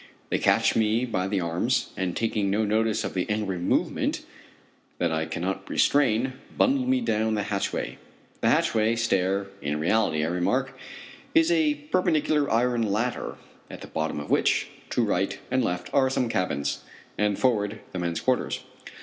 They catch me by the arms, and taking no notice of the angry movement that I cannot restrain, bundle me down the hatchway. The hatchway stair in reality, I remark, is a perpendicular iron ladder, at the bottom of which, to right and left, are some cabins, and forward, the men's quarters.